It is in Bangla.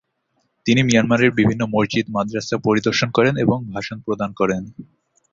তিনি মিয়ানমারের বিভিন্ন মসজিদ, মাদ্রাসা পরিদর্শন করেন এবং ভাষণ প্রদান করেন।